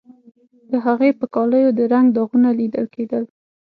د هغې په کالیو د رنګ داغونه لیدل کیدل